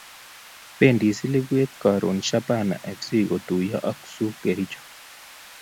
Bendi silibeet karon shabana fc kotuyo ak Zooo kericho